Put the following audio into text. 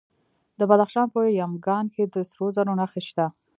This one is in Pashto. د بدخشان په یمګان کې د سرو زرو نښې شته.